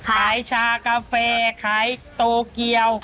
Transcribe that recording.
ชากาแฟขายโตเกียว